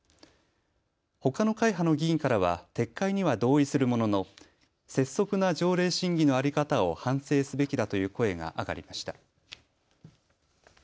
ほかの会派の議員からは撤回には同意するものの拙速な条例審議の在り方を反省すべきだという声が上がりました。